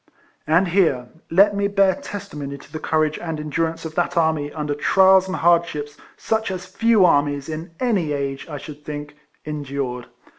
And here let me bear testimony to the courage and endurance of that army under trials and hardships such as few armies, in any age, I should think, endured.